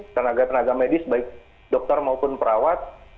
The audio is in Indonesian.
tenaga tenaga medis baik dokter maupun perawat